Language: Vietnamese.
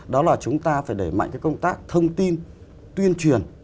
đó là chúng ta phải đẩy mạnh cái công tác thông tin tuyên truyền